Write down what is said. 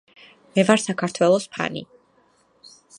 მე ვარ საქართველოს ფანი